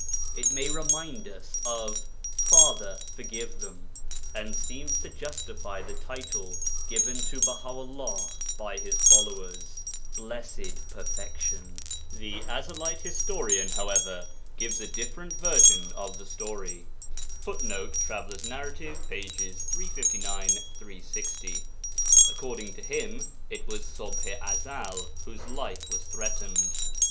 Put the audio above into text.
It may remind us of 'Father, forgive them,' and seems to justify the title given to Baha 'ullah by his followers, 'Blessed Perfection.' The Ezelite historian, however, gives a different version of the story. [Footnote: TN, pp. 359, 360.] According to him, it was Ṣubḥ i Ezel whose life was threatened.